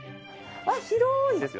あっ広い！